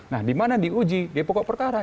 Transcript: nah di mana diuji dia pokok perkara